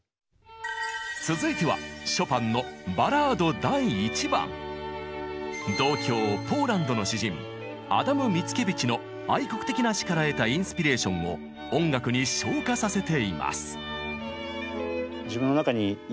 続いては同郷ポーランドの詩人アダム・ミツキェヴィチの愛国的な詩から得たインスピレーションを音楽に昇華させています。